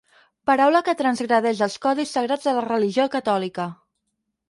Paraula que transgredeix els codis sagrats de la religió catòlica.